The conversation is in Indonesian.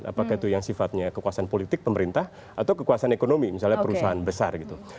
apakah itu yang sifatnya kekuasaan politik pemerintah atau kekuasaan ekonomi misalnya perusahaan besar gitu